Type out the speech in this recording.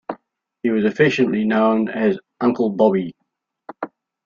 He was affectionately known as "Uncle Bobby".